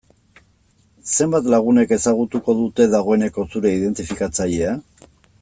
Zenbat lagunek ezagutuko dute, dagoeneko zure identifikatzailea?